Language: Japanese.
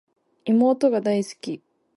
妹が大好き